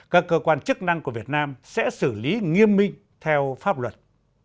các cơ quan chức năng của việt nam sẽ xử lý nghiêm minh theo pháp luật